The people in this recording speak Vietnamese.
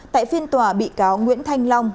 tại phiên tòa bị cáo nguyễn thanh long